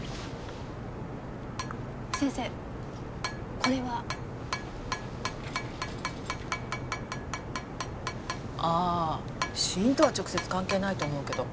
先生これは？ああ死因とは直接関係ないと思うけど。